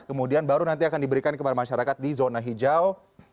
kemudian baru nanti akan diberikan kepada masyarakat di zona hijau